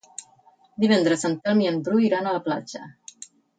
Divendres en Telm i en Bru iran a la platja.